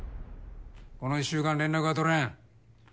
この１週間連絡が取れん。